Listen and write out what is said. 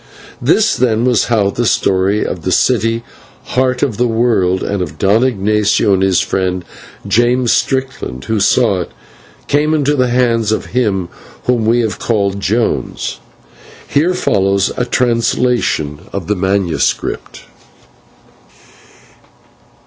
This, then, was how the story of the city, Heart of the World, and of Don Ignatio and his friend, James Strickland, who saw it, came into the hands of him whom we have called Jones. Here follows a translation of the manuscript.